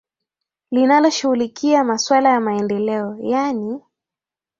linalo shughulikia maswala ya maendeleo yaani